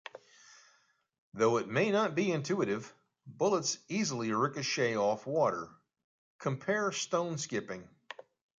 Though it may not be intuitive, bullets easily ricochet off water; compare stone skipping.